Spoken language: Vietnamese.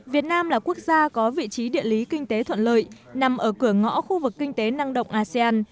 việt nam là quốc gia có vị trí địa lý kinh tế thuận lợi nằm ở cửa ngõ khu vực kinh tế năng động asean